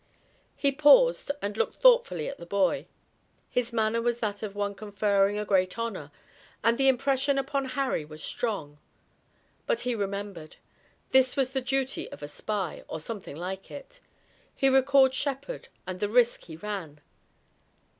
He paused and looked thoughtfully at the boy. His manner was that of one conferring a great honor, and the impression upon Harry was strong. But he remembered. This was the duty of a spy, or something like it. He recalled Shepard and the risk he ran.